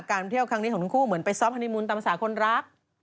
การเที่ยวครั้งนี้ของทั้งคู่เหมือนไปซอฟฮานิมูลตามภาษาคนรัก